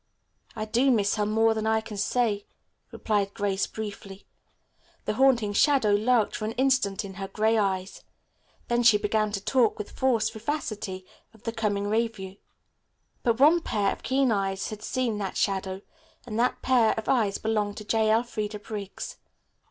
"I do miss her more than I can say," replied Grace briefly. The haunting shadow lurked for an instant in her gray eyes, then she began to talk with forced vivacity of the coming revue. But one pair of keen eyes had seen that shadow, and that pair of eyes belonged to J. Elfreda Briggs.